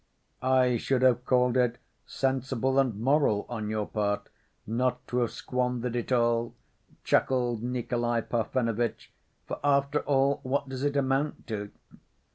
"I should have called it sensible and moral on your part not to have squandered it all," chuckled Nikolay Parfenovitch, "for after all what does it amount to?"